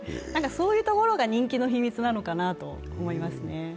そういうところが人気の秘密なのかなと思いますね。